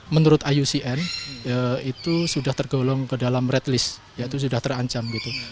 menurut iucn itu sudah tergolong ke dalam red list yaitu sudah terancam gitu